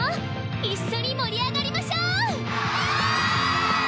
一緒に盛り上がりましょう！